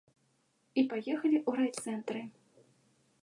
І паехалі ў райцэнтры.